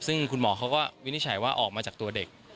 ซึ่งคุณหมอเขาก็วินิจฉัยว่าออกมาจากตัวเด็ก